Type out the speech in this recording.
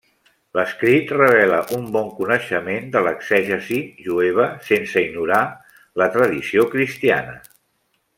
L'escrit revela un bon coneixement de l'exegesi jueva, sense ignorar la tradició cristiana.